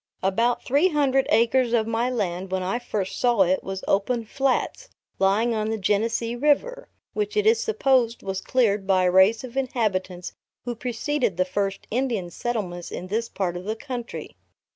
About three hundred acres of my land, when I first saw it, was open flats, lying on the Genesee River, which it is supposed was cleared by a race of inhabitants who preceded the first Indian settlements in this part of the country.